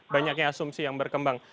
banyaknya asumsi yang berkembang